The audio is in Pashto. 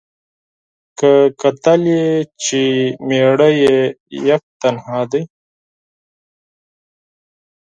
که کتل یې چي مېړه یې یک تنها دی